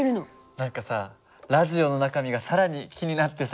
何かさラジオの中身が更に気になってさ。